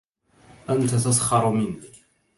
أنت تسخر مني.